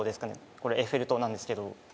これエッフェル塔なんですけど